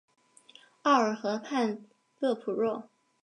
奥尔河畔勒普若。